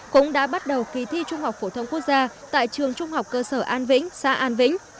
cũng đã bắt đầu kỳ thi trung học phổ thông quốc gia tại trường trung học cơ sở an vĩnh xã an vĩnh